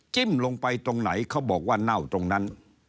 ลงไปตรงไหนเขาบอกว่าเน่าตรงนั้น